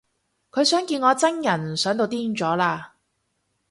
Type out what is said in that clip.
佢想見我真人想到癲咗喇